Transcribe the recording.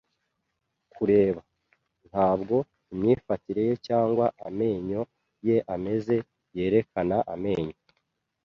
kureba - ntabwo imyifatire ye cyangwa amenyo ye ameze yerekana amenyo